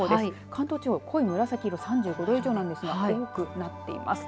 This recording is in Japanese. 関東地方、濃い紫色３５度以上なんですが多くなっています。